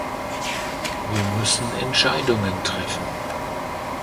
Wir müssen Entscheidungen treffen.